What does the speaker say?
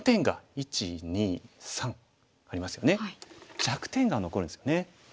弱点が残るんですよね。